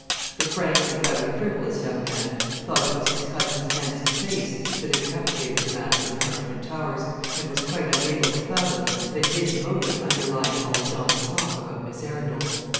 The frank and rather frivolous young man thought it was his cousin's handsome face that had captivated the master of Marchmont Towers, and was quite unable to fathom the hidden motive underlying all John's talk about Miss Arundel.